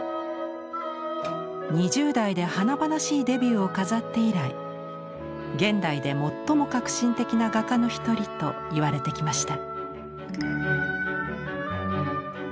２０代で華々しいデビューを飾って以来現代で最も革新的な画家の一人といわれてきました。